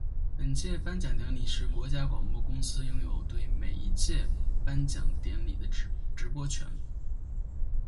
本届颁奖典礼是国家广播公司拥有对每一届颁奖典礼的直播权。